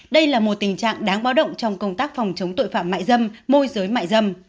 đây là một tình trạng đáng báo động trong công tác phòng chống tội phạm mại dâm môi giới mại dâm